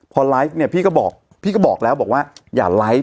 พอไลฟ์เนี่ยพี่ก็บอกพี่ก็บอกแล้วบอกว่าอย่าไลฟ์